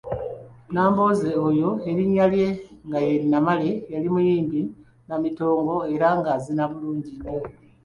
Nambooze oyo erinnya lye nga ye Namale yali muyimbi nnamitongo era ng'azina bulungi nnyo.